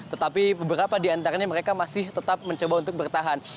tetapi beberapa di antaranya mereka masih tetap mencoba untuk bertahan